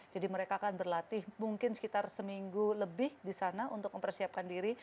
jadi mereka akan berlatih mungkin sekitar seminggu lebih di sana untuk mempersiapkan diri